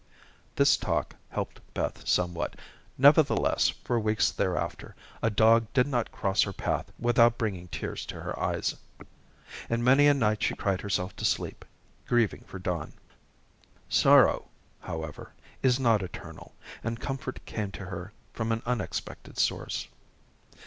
This talk helped Beth somewhat. Nevertheless, for weeks thereafter, a dog did not cross her path without bringing tears to her eyes. And many a night she cried herself to sleep, grieving for Don. Sorrow, however, is not eternal, and comfort came to her from an unexpected source.